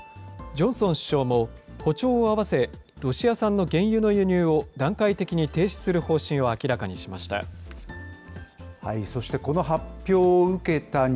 ジョンソン首相も歩調を合わせ、ロシア産の原油の輸入を段階的に停止する方針を明らかにしました。